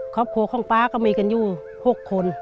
ครอบครัวของป๊าก็มีกันอยู่๖คน